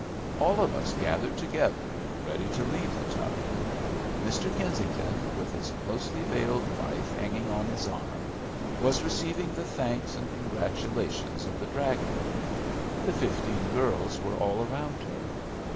All of us gathered together ready to leave The Tub. Mr. Kensington, with his closely veiled wife hanging on his arm, was receiving the thanks and congratulations of the "dragon." The fifteen girls were all around her.